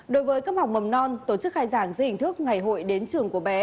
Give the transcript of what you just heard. đối với các học mầm non tổ chức khai giảng di hình thức ngày hội đến trường của bé